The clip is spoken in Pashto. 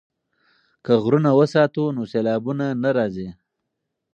که غرونه وساتو نو سیلابونه نه راځي.